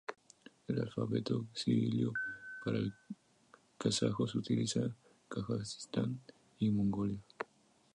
El alfabeto cirílico para el kazajo se utiliza en Kazajistán y Mongolia.